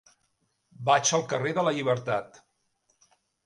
Vaig al carrer de la Llibertat.